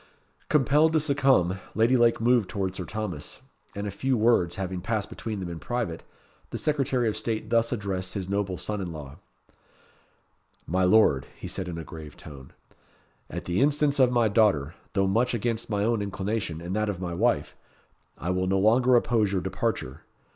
Compelled to succumb, Lady Lake moved towards Sir Thomas, and a few words having passed between them in private, the Secretary of State thus addressed his noble son in law "My Lord," he said in a grave tone, "at the instance of my daughter, though much against my own inclination, and that of my wife, I will no longer oppose your departure.